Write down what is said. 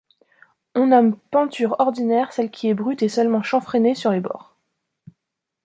On nomme penture ordinaire celle qui est brute et seulement chanfreinée sur les bords.